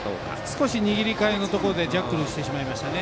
少し握り替えのところでジャッグルしてしまいましたね。